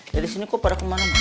dari sini kok pada kemana mana